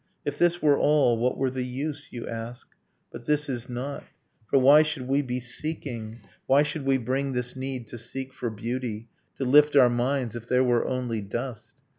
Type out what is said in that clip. If this were all what were the use, you ask? But this is not: for why should we be seeking, Why should we bring this need to seek for beauty, To lift our minds, if there were only dust?